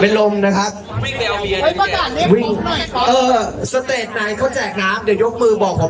เป็นลมนะครับเออสเตร็จไหนเขาแจกน้ำเดี๋ยวยกมือบอกผม